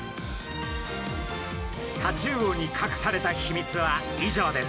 タチウオにかくされた秘密は以上です。